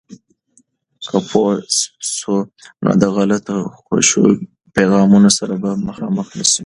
که پوه سو، نو د غلطو خوشو پیغامونو سره به مخامخ نسو.